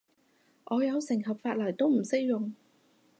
我有成盒髮泥都唔識用